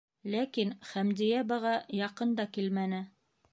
Ләкин Хәмдиә быға яҡын да килмәне: